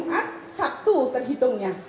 jumat sabtu terhitungnya